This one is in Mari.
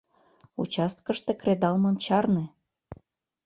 — Участкыште кредалмым чарне!